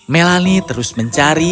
melani terus mencari